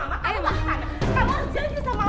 kamu ke sana kamu kerja sama mama